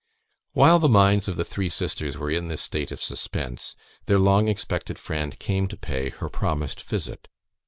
While the minds of the three sisters were in this state of suspense, their long expected friend came to pay her promised visit.